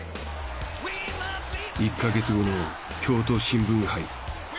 １か月後の京都新聞杯。